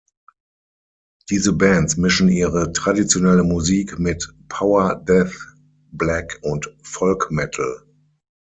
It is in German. Diese Bands mischen ihre traditionelle Musik mit Power-, Death-, Black- und Folk Metal.